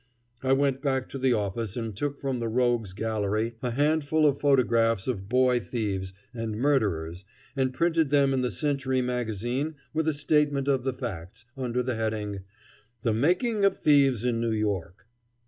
I went back to the office and took from the Rogues' Gallery a handful of photographs of boy thieves and murderers and printed them in the Century Magazine with a statement of the facts, under the heading, "The Making of Thieves in New York."